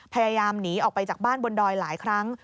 พยายามหนีออกไปจากบ้านบนดอยหลายครั้ง